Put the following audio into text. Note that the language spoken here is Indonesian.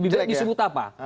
lebih baik disebut apa